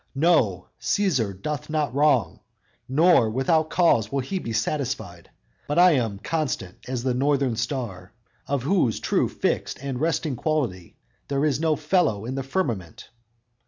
Know, Cæsar doth not wrong; nor without cause Will he be satisfied! But I am constant as the northern star, Of whose true fixed and resting quality There is no fellow in the firmament!"